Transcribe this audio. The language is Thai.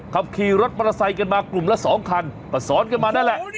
ขับขี่รถมอเตอร์ไซค์กันมากลุ่มละ๒คันก็ซ้อนกันมานั่นแหละ